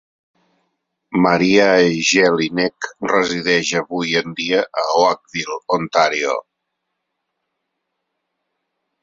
Maria Jelinek resideix avui en dia a Oakville, Ontàrio.